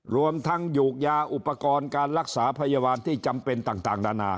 รวมทั้งหยูกยาอุปกรณ์การรักษาพยาบาลที่จำเป็นต่างนานา